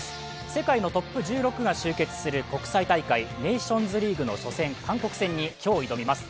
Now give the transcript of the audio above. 世界のトップ１６が集結する国際大会ネーションズリーグの初戦、韓国戦に今日、挑みます。